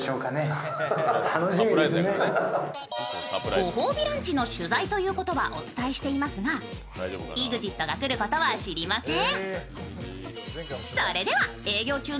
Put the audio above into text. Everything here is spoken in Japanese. ご褒美ランチの取材ということはお伝えしてありますが、ＥＸＩＴが来ることは知りません。